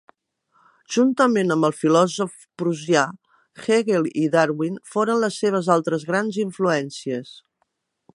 Juntament amb el filòsof prussià, Hegel i Darwin foren les seves altres grans influències.